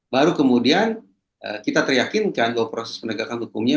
baru kemudian kita teryakinkan bahwa proses penegakan hukumnya